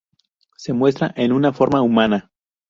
Se muestra en una forma humana.